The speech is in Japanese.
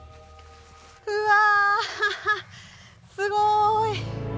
うわすごーい！